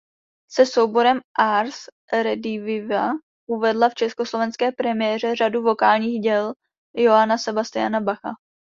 Se souborem Ars rediviva uvedla v československé premiéře řadu vokálních děl Johanna Sebastiana Bacha.